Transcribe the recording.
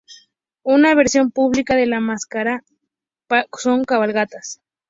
Una versión pública de la mascarada son las cabalgatas.